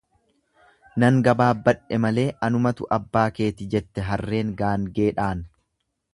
Nan gabaabbadhe malee anumatu abbaa keeti jette harreen gaangeedhaan.